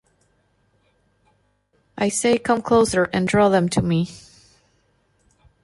I say 'Come closer' and draw them to me.